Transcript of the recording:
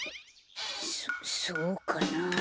そそうかなあ？